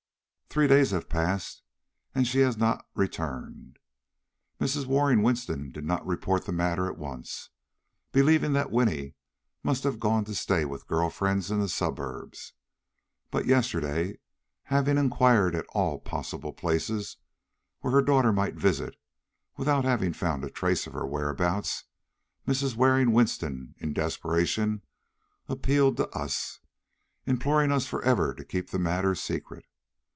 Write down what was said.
"Three days have passed and she has not returned. Mrs. Waring Winston did not report the matter at once, believing that Winnie must have gone to stay with girl friends in the suburbs; but yesterday, having inquired at all possible places where her daughter might visit without having found a trace of her whereabouts, Mrs. Waring Winston, in desperation, appealed to us, imploring us forever to keep the matter secret.